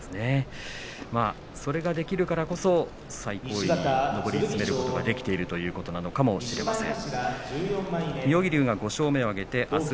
それができるからこそ最上位に上り詰めるということができているのかもしれません。